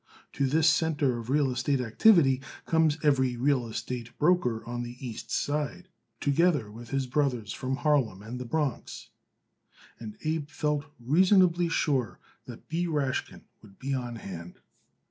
To this center of real estate activity comes every real estate broker of the East Side, together with his brothers from Harlem and the Bronx, and Abe felt reasonably sure that B. Rashkin would be on hand.